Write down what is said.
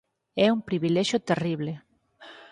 É un privilexio terrible.